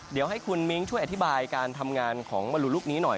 เดี๋ยวให้คุณมิ้งช่วยอธิบายการทำงานของมรูลูกนี้หน่อย